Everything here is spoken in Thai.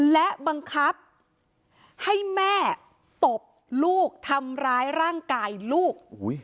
และบังคับให้แม่ตบลูกทำร้ายร่างกายลูก